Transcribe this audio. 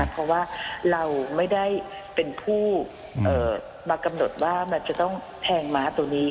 เพราะว่าเราไม่ได้เป็นผู้มากำหนดว่ามันจะต้องแทงม้าตัวนี้